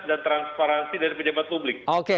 dan transparansi dari pejabat publik